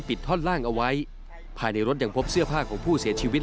ท่อนล่างเอาไว้ภายในรถยังพบเสื้อผ้าของผู้เสียชีวิต